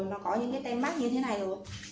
nó có những cái tèm mát như thế này rồi